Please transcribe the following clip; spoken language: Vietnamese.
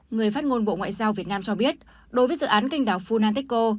người phát ngôn bộ ngoại giao việt nam cho biết đối với dự án kênh đảo funantico